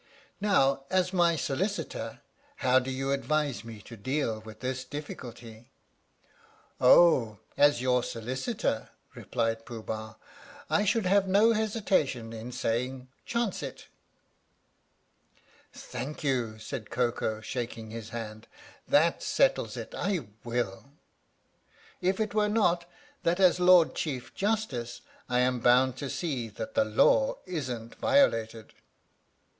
"Now, as my Solicitor, how do you advise me to deal with this difficulty?" "Oh, as your Solicitor," replied Pooh Bah, "I should have no hesitation in saying 'chance it." 30 THE STORY OF THE MIKADO " Thank you/' said Koko, shaking his hand. "That settles it I will." " If it were not that as Lord Chief Justice I am bound to see that the law isn't violated."